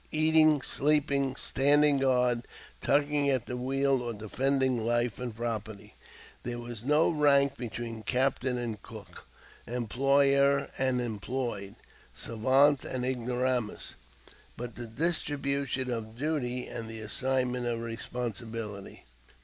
Eating, sleeping, standing guard, tugging at the wheel or defending life and property, there was no rank between captain and cook, employer and employed, savant and ignoramus, but the distribution of duty and the assignment of responsibility.